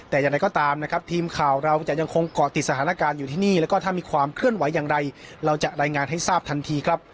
แต่อย่างไรก็ตามนะครับทีมข่าวเราจะยังคงเกาะติดสถานการณ์อยู่ที่นี่แล้วก็ถ้ามีความเคลื่อนไหวอย่างไรเราจะรายงานให้ทราบทันทีครับ